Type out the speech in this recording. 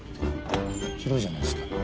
ひどいじゃないですか。